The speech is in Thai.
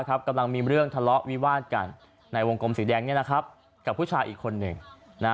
กำลังมีเรื่องทะเลาะวิวาดกันในวงกลมสีแดงกับผู้ชายอีกคนหนึ่ง